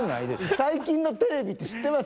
最近のテレビって、知ってます？